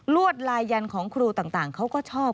วดลายยันของครูต่างเขาก็ชอบ